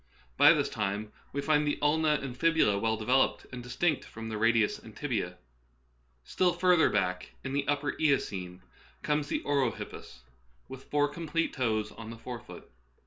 By this time we find the ulna and fi.bula well devel oped and distinct from the radius and tibia. Still further back, in the upper Eocene, comes the orohippus, with four complete toes on the fore foot.